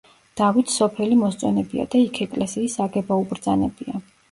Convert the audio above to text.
დავითს სოფელი მოსწონებია და იქ ეკლესიის აგება უბრძანებია.